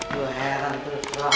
gua heran terus banget